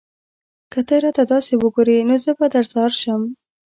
که ته راته داسې وگورې؛ نو زه به درځار شم